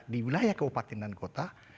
di wilayah kabupaten dan kota